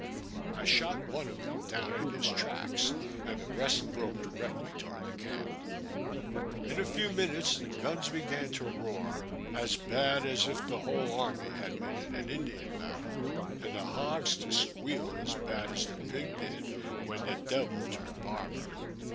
I shot one of them down in his tracks, and the rest broke directly towards the camp. In a few minutes, the guns began to roar, as bad as if the whole army had been in an Indian battle; and the hogs to squeal as bad as the pig did, when the devil turned barber.